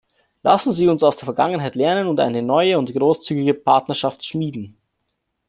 Lassen Sie uns aus der Vergangenheit lernen und eine neue und großzügige Partnerschaft schmieden.